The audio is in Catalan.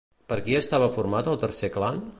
Per qui estava format el tercer clan?